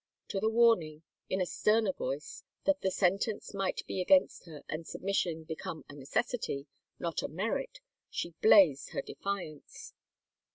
To the warning, in a sterner voice, that the sentence might be against her and submission become a necessity, not a merit, she blazed her defiance.